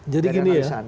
jadi gini ya